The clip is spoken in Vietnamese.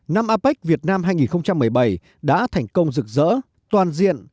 năm apec việt nam hai nghìn một mươi bảy đã thành công rực rỡ toàn diện